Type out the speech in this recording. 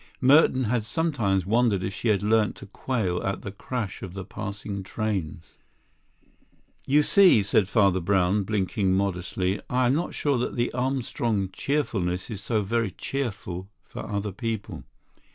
Merton had sometimes wondered if she had learnt to quail at the crash of the passing trains. "You see," said Father Brown, blinking modestly, "I'm not sure that the Armstrong cheerfulness is so very cheerful for other people.